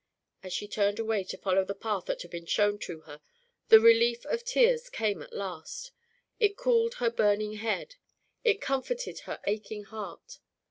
As she turned away to follow the path that had been shown to her, the relief of tears came at last. It cooled her burning head; it comforted her aching heart.